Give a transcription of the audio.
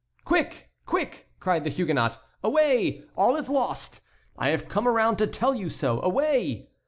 "Quick! quick!" cried the Huguenot; "away! all is lost! I have come around to tell you so. Away!"